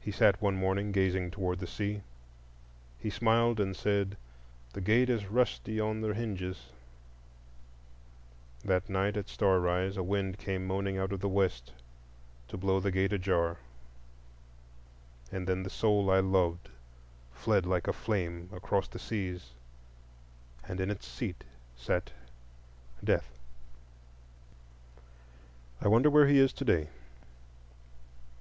He sat one morning gazing toward the sea. He smiled and said, "The gate is rusty on the hinges." That night at star rise a wind came moaning out of the west to blow the gate ajar, and then the soul I loved fled like a flame across the Seas, and in its seat sat Death. I wonder where he is to day?